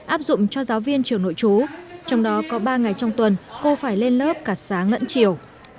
áp dụng cho giáo viên trường nội trú trong đó có ba ngày trong tuần cô phải lên lớp cả sáng lẫn chiều